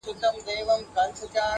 یوه ماشوم ویل بابا خان څه ګناه کړې وه؟-